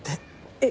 えっ？